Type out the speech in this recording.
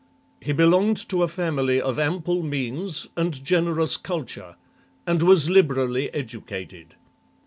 He belonged to a family of ample means and generous culture, and was liberally educated.